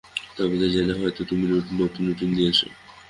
তবে কে জানে হয়তো নতুন রুটিন দিয়েছে।